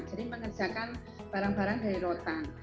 jadi mengerjakan barang barang dari rotan